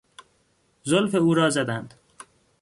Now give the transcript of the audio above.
زلف او را زدند.